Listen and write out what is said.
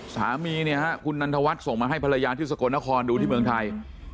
สามีเนี่ยฮะคุณนันทวัฒน์ส่งมาให้ภรรยาที่สกลนครดูที่เมืองไทย